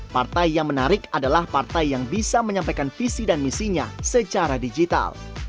partai yang menarik adalah partai yang bisa menyampaikan visi dan misinya secara digital